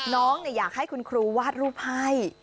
อยากให้คุณครูวาดรูปให้